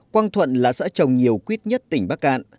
quang thuận là xã trồng nhiều quýt nhất tỉnh bắc cạn